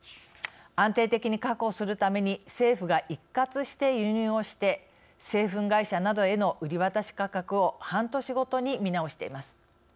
安定的に確保するために政府が一括して輸入をして製粉会社などへの売り渡し価格を半年ごとに見直しています。